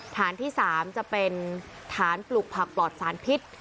ฐานที่๓จะเป็นฐานปลูกผักปลอดสารพิษ